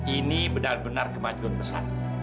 ini benar benar kemajuan besar